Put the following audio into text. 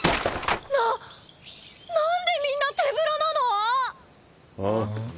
ななんでみんな手ぶらなの⁉あっ？